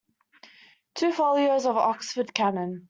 Two folios of Oxford Canon.